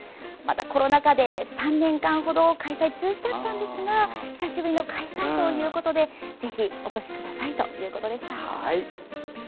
コロナ禍で３年間ほど開催中止でしたが久しぶりの開催ということでぜひ、お越しくだいということでした。